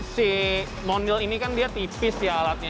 si monil ini kan dia tipis ya alatnya